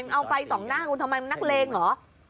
เอาไฟส่องหน้าคุณทำไมมันนักเลงเหรอ